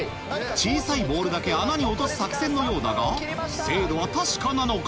小さいボールだけ穴に落とす作戦のようだが精度は確かなのか？